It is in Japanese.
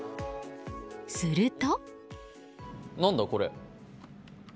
すると。